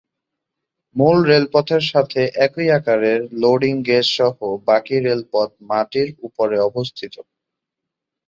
মূল রেলপথের সাথে একই আকারের লোডিং গেজ সহ বাকী রেলপথ মাটির উপরে অবস্থিত।